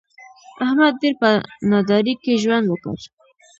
احمد ډېر په نادارۍ کې ژوند وکړ.